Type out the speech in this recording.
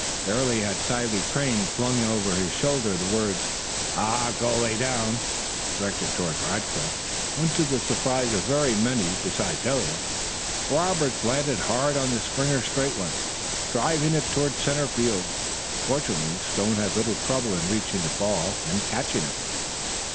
Barely had Sile Crane flung over his shoulder the words, "Aw, go lay down!" directed toward Rackliff when, to the surprise of very many beside Eliot, Roberts landed hard on Springer's straight one, driving it toward center field. Fortunately, Stone had little trouble in reaching the ball and catching it.